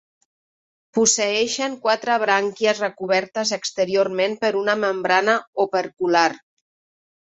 Posseeixen quatre brànquies recobertes exteriorment per una membrana opercular.